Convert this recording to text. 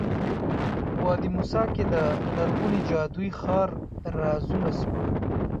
وادي موسی کې د لرغوني جادویي ښار رازونه سپړو.